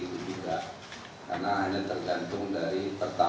artinya ada uang yang terkait pada korporasi